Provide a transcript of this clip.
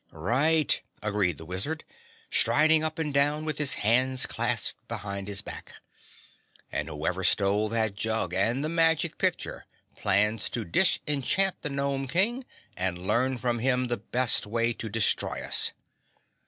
"Right!" agreed the Wizard, striding up and down with his hands clasped behind his back. "And whoever stole that jug and the magic picture plans to disenchant the Gnome King and learn from him the best way to destroy us.